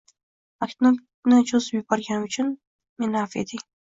maktubni cho'zib yuborganim uchun meni avf eting.